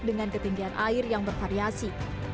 dengan ketinggian air yang bervariasi